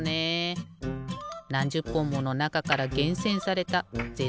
なんじゅっぽんものなかからげんせんされたぜ